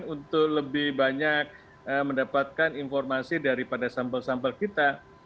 untuk lebih banyak mendapatkan informasi daripada sampel sampel kita